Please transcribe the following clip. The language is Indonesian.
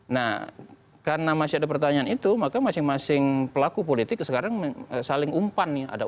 nah karena masih ada pertanyaan itu maka masing masing pelaku politik sekarang saling umpan nih